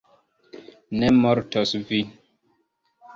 Ne mortos vi.